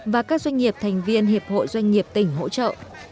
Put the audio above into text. và các doanh nghiệp thành viên hiệp hội doanh nghiệp tỉnh hỗ trợ